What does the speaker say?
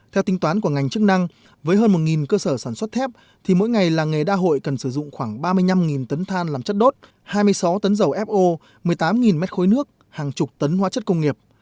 theo tính toán của ngành chức năng với hơn một cơ sở sản xuất thép thì mỗi ngày làng nghề đa hội cần sử dụng khoảng ba mươi năm tấn than làm chất đốt hai mươi sáu tấn dầu fo một mươi tám mét khối nước hàng chục tấn hóa chất công nghiệp